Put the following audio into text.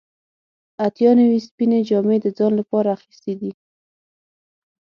زه اتیا نوي سپینې جامې د ځان لپاره اخیستې دي.